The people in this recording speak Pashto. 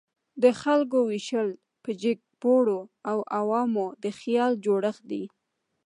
د خلکو ویشل په جګپوړو او عوامو د خیال جوړښت دی.